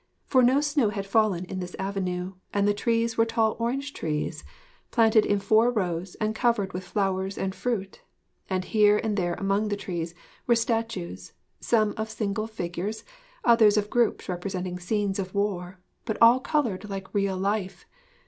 For no snow had fallen in this avenue, and the trees were tall orange trees, planted in four rows and covered with flowers and fruit; and here and there among the trees were statues, some of single figures, others of groups representing scenes of war, but all coloured like real life.